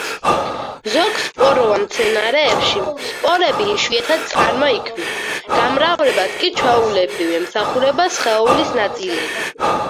ზოგ სპოროვან მცენარეში სპორები იშვიათად წარმოიქმნება, გამრავლებას კი ჩვეულებრივ, ემსახურება სხეულის ნაწილები.